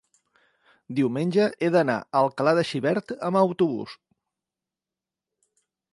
Diumenge he d'anar a Alcalà de Xivert amb autobús.